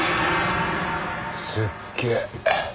すっげえ。